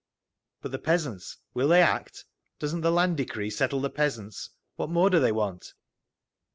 "But the peasants—will they act? Doesn't the Land decree settle the peasants? What more do they want?"